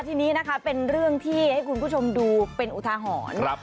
ทีนี้นะคะเป็นเรื่องที่ให้คุณผู้ชมดูเป็นอุทาหรณ์